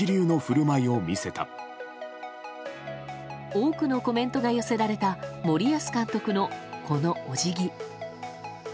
多くのコメントが寄せられた森保監督のこのお辞儀。